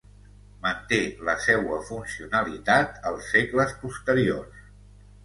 Manté la seua funcionalitat als segles posteriors.